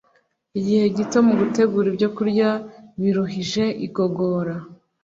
igihe gito mu gutegura ibyokurya biruhije igogora